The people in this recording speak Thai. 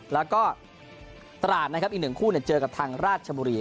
แล้วก็ตราดนะครับอีกหนึ่งคู่เจอกับทางราชบุรี